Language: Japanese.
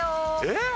えっ？